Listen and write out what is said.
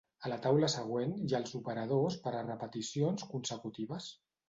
A la taula següent hi ha els operadors per a repeticions consecutives.